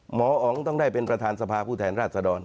หมออ๋องต้องได้เป็นประธานสภาผู้แทนราชดร